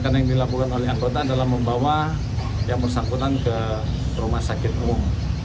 karena yang dilakukan oleh anggota adalah membawa yang bersangkutan ke rumah sakit umum